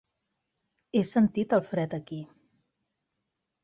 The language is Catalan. He sentit el fred aquí.